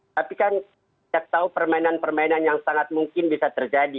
tapi kan kita tahu permainan permainan yang sangat mungkin bisa terjadi